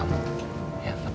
untuk antri masakan kamu